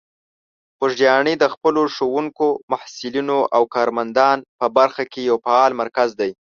خوږیاڼي د خپلو ښوونکو، محصلینو او کارمندان په برخه کې یو فعال مرکز دی.